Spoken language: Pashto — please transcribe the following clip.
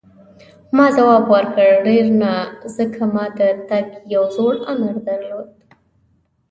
ما ځواب ورکړ: ډېر نه، ځکه ما د تګ یو زوړ امر درلود.